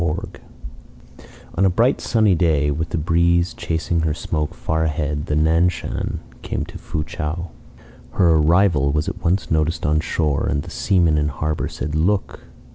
VI On A bright sunshiny day, with the breeze chasing her smoke far ahead, the Nan Shan came into Fu chau. Her arrival was at once noticed on shore, and the seamen in harbour said: "Look!